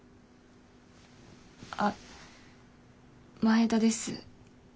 あっ前田です。